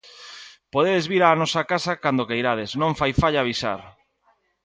Podedes vir á nosa casa cando queirades, non fai falla avisar.